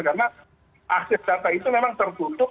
karena akses data itu memang tertutup